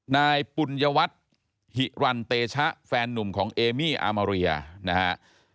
นายปุญยวัตรหิรันเตชะแฟนนุ่มของเอมี่อามาเรียนะฮะ